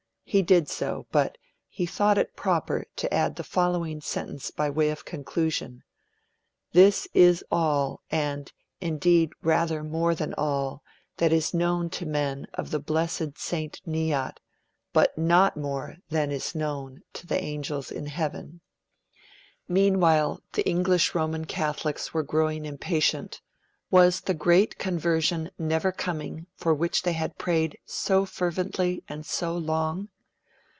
He did so; but he thought it proper to add the following sentence by way of conclusion: 'This is all, and indeed rather more than all, that is known to men of the blessed St. Neot; but not more than is known to the angels in heaven.' Meanwhile, the English Roman Catholics were growing impatient; was the great conversion never coming, for which they had prayed so fervently and so long?